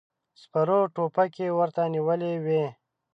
سپرو ټوپکې ورته نيولې وې.